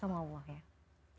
sama allah ya